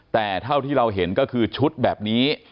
แต่เท่าที่เราเห็นก็คือชุดแบบนี้